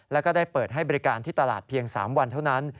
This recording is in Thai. แล้วก็ได้เปิดให้บริการที่ตลาดเพียง๓วันเท่านั้น